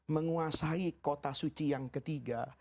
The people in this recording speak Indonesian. menguasai kota suci yang ketiga